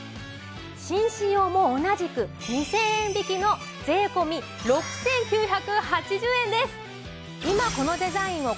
紳士用も同じく２０００円引きの税込６９８０円です。